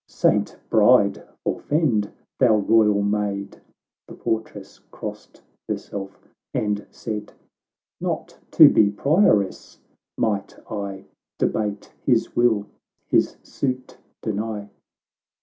—" Saint Bride forefend, thou royal Maid !" The portress crossed herself, and said, —" Not to be prioress might I Debate his will, his suit deny."